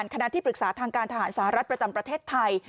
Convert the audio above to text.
คณะที่ปรึกษาทางการทหารสหรัฐประจำประเทศไทย